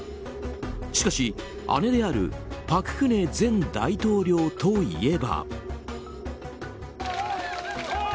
しかし、姉である朴槿惠前大統領といえば。